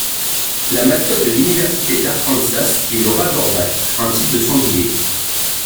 La mascotte de l'Université d'Arkansas est le Razorback, un type de sanglier.